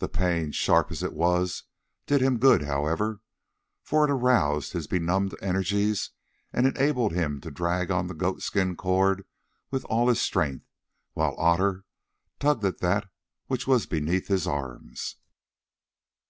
The pain, sharp as it was, did him good, however, for it aroused his benumbed energies and enabled him to drag on the goat skin cord with all his strength, while Otter tugged at that which was beneath his arms.